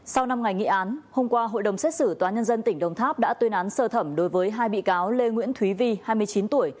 sau năm ngày nghị án hôm qua hội đồng xét xử tòa nhân dân tỉnh đồng tháp đã tuyên án sơ thẩm đối với hai bị cáo lê nguyễn thúy vi hai mươi chín tuổi